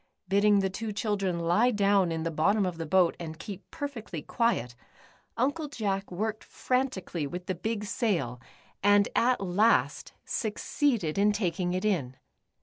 Bidding the two children lie down in the bottom of the boat, and keep perfectly quiet. Uncle Jack worked franticallv with the bio; sail, and at last succeeded 148 The Upsidedownians. in taking it in.